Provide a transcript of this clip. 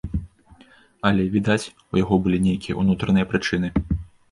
Але, відаць, у яго былі нейкія ўнутраныя прычыны.